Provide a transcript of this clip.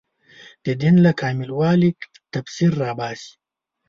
د دین له کامل والي تفسیر راوباسي